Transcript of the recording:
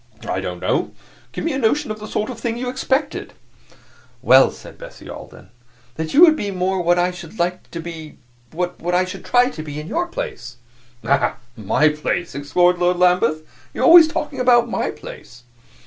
"I don't know. Give me a notion of the sort of thing you expected." "Well," said Bessie Alden, "that you would be more what I should like to be what I should try to be in your place." "Ah, my place!" exclaimed Lord Lambeth. "You are always talking about my place!"